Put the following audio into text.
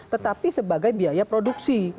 tetapi sebagai biaya produksi